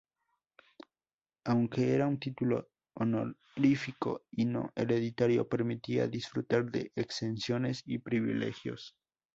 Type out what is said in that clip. Aunque era un título honorífico y no hereditario, permitía disfrutar de exenciones y privilegios.